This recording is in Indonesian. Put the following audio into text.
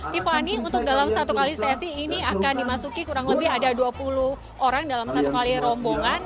tiffany untuk dalam satu kali sesi ini akan dimasuki kurang lebih ada dua puluh orang dalam satu kali rombongan